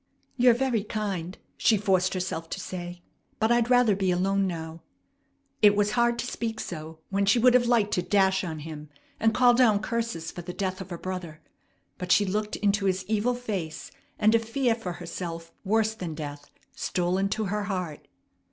"You're very kind," she forced herself to say; "but I'd rather be alone now." It was hard to speak so when she would have liked to dash on him, and call down curses for the death of her brother; but she looked into his evil face, and a fear for herself worse than death stole into her heart.